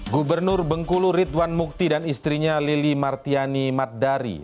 gubernur bengkulu ridwan mukti dan istrinya lili martiani maddari